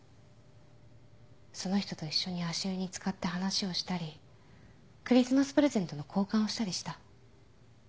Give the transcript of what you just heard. その人と一緒に足湯に漬かって話をしたりクリスマスプレゼントの交換をしたりした